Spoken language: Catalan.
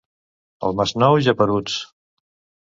Al Masnou, geperuts.